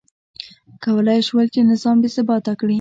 کولای یې شول چې نظام بې ثباته کړي.